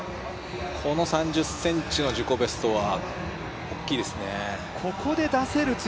この３０ｃｍの自己ベストは大きいですね。